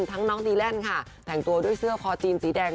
น้องดีแลนด์ค่ะแต่งตัวด้วยเสื้อคอจีนสีแดง